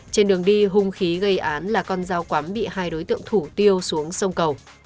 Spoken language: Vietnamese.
trên đường đi hung khí gây án là con dao quắm bị hai đối tượng thủ tiêu xuống sông cầu